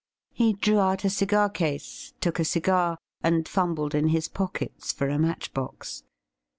He drew out a cigar case, took a cigar, and fumbled in his pockets for a match box.